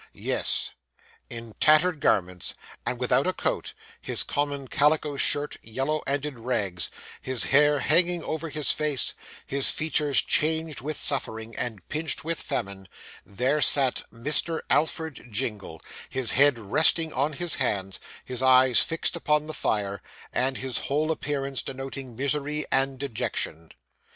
Yes; in tattered garments, and without a coat; his common calico shirt, yellow and in rags; his hair hanging over his face; his features changed with suffering, and pinched with famine there sat Mr. Alfred Jingle; his head resting on his hands, his eyes fixed upon the fire, and his whole appearance denoting misery and dejection!